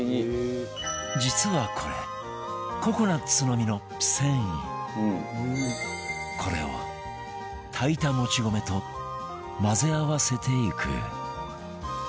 実はこれこれを炊いたもち米と混ぜ合わせていく